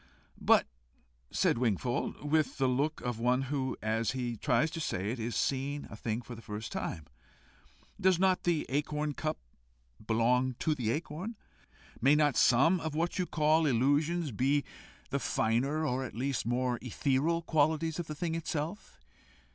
"But," said Wingfold, with the look of one who, as he tries to say it, is seeing a thing for the first time, "does not the acorn cup belong to the acorn? May not some of what you call illusions, be the finer, or at least more ethereal qualities of the thing itself?